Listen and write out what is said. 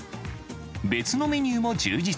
別のメニューも充実。